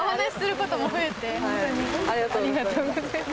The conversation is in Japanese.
ありがとうございます。